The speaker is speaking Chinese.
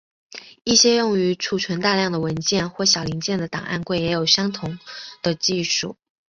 一些用于储存大量的文件或小零件的档案柜也有使用相同的技术。